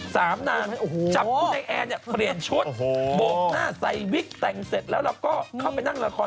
สามนางจับผู้ในแอ่นเปลี่ยนชุดโบกหน้าใส่วิสเติ้งเสร็จแล้วก็เข้าไปนั่งราคาร